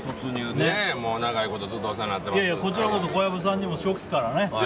長いことこちらこそ小籔さんにも初期からね。